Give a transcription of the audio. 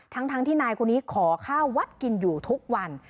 ทั้งที่นายคนนี้ขอข้าววัดกินอยู่ทุกวัน